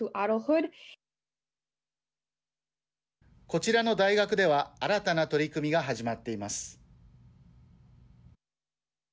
こちらの大学では新たな取り組みが始まっています。